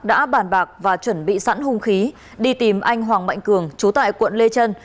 đã bàn bạc và chuẩn bị sẵn hùng khí đi tìm anh hoàng mạnh cường chú tại quận lê trân